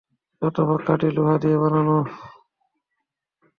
শতভাগ খাঁটি লোহা দিয়ে বানানো।